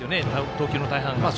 投球の大半は。